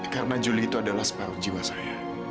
karena julie itu adalah separuh jiwa saya